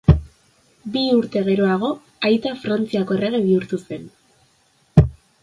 Bi urte geroago aita Frantziako errege bihurtu zen.